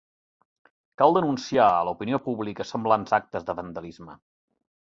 Cal denunciar a l'opinió pública semblants actes de vandalisme.